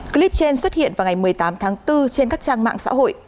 clip trên xuất hiện vào ngày một mươi tám tháng bốn trên các trang mạng xã hội